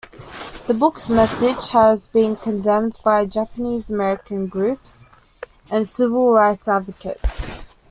The book's message has been condemned by Japanese American groups and civil rights advocates.